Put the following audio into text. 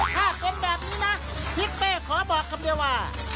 ถ้าเป็นแบบนี้นะทิศเป้ขอบอกคำเดียวว่า